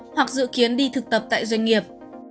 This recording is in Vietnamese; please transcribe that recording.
hoặc dự kiến đi thực tập tại doanh nghiệp